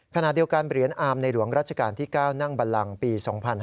ขณะเดียวกันเหรียญอามในหลวงราชการที่๙นั่งบันลังปี๒๕๕๙